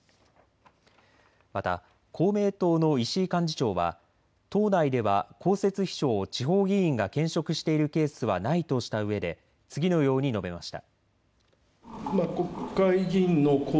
また公明党の石井幹事長は党内では公設秘書を地方議員が兼職しているケースはないとしたうえで次のように述べました。